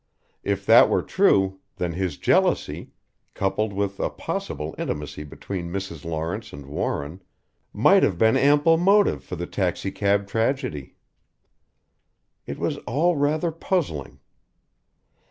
If that were true, then his jealousy, coupled with a possible intimacy between Mrs. Lawrence and Warren might have been ample motive for the taxicab tragedy. It was all rather puzzling.